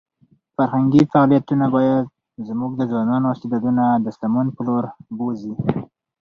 فرهنګي فعالیتونه باید زموږ د ځوانانو استعدادونه د سمون په لور بوځي.